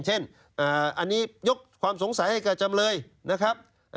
เช่นอันนี้ยกความสงสัยให้กับจำเลยนะครับ